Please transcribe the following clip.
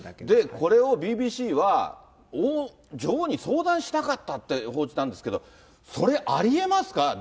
これをＢＢＣは、女王に相談しなかったって報じたんですけど、それありえますか？